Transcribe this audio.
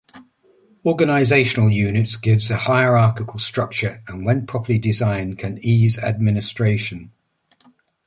Organizational Units give a hierarchical structure, and when properly designed can ease administration.